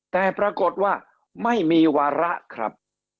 แต่ปรากฏว่าไม่มีวาระครับ